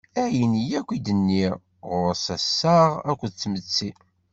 Ayen yakk i d-nniɣ, ɣur-s assaɣ akked tmetti.